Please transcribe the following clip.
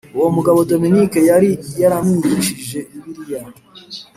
uwo mugabo Dominic yari yaramwigishije Bibiliya